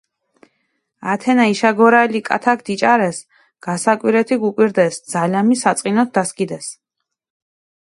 ათენა იშაგორილი კათაქ დიჭარეს, გასაკვირეთი გუკვირდეს, ძალამი საწყინოთ დასქიდეს.